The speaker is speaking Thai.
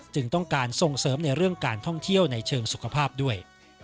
ต้องการส่งเสริมในเรื่องการท่องเที่ยวในเชิงสุขภาพด้วย